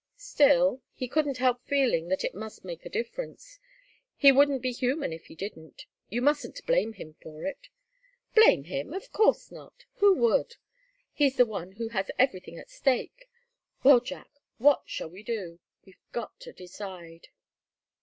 Still he couldn't help feeling that it must make a difference. He wouldn't be human if he didn't. You mustn't blame him for it." "Blame him! Of course not! Who would? He's the one who has everything at stake. Well, Jack, what shall we do? We've got to decide."